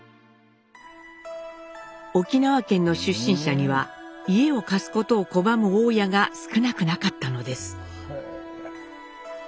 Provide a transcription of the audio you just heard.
沖縄県の出身者には家を貸すことを拒む大家が少なくなかったのです。